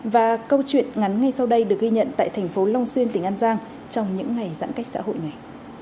và câu chuyện ngắn ngay sau đây được ghi nhận tại thành phố long xuyên tỉnh an giang trong những ngày giãn cách xã hội này